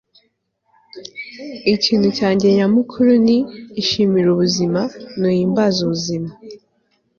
ikintu cyanjye nyamukuru ni, 'ishimire ubuzima. nuhimbaze ubuzima. - luke bryan